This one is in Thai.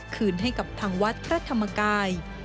คืนให้กับทางวัดพระธรรมกาย